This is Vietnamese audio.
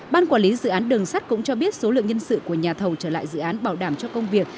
ban quản lý dự án đường sắt cũng cho biết số lượng nhân sự của nhà thầu trở lại dự án bảo đảm cho công việc